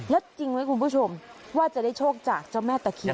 แล้วจริงไหมคุณผู้ชมว่าจะได้โชคจากเจ้าแม่ตะเคียน